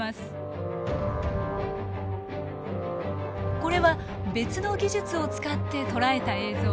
これは別の技術を使って捉えた映像。